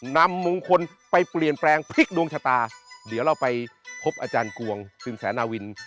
นำมงคลไปเปลี่ยนแปลงพลิกดวงชะตาเดี๋ยวเราไปพบอาจารย์กวงสินแสนาวิน